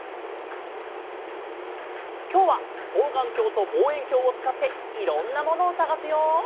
きょうはそうがんきょうとぼうえんきょうをつかっていろんなものをさがすよ！